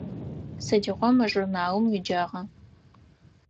Сыдигъо мы журналым уеджагъа?